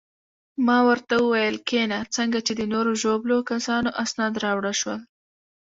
ما ورته وویل: کښېنه، څنګه چې د نورو ژوبلو کسانو اسناد راوړل شول.